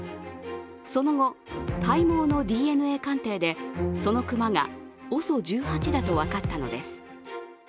その後、体毛のＤＮＡ鑑定でその熊がＯＳＯ１８だと分かったのです。